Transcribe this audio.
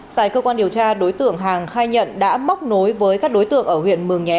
tại cơ quan điều tra đối tượng hàng khai nhận đã móc nối với các đối tượng ở huyện mường nhé